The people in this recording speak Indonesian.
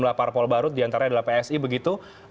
ada parpol baru diantara adalah psi begitu